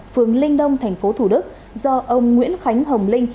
phường linh đông tp thủ đức do ông nguyễn khánh hồng linh